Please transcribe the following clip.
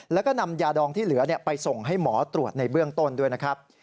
แล้วก็นำยาดองที่เหลือไปส่งให้หมอตรวจในเบื้องต้นด้วยนะครับ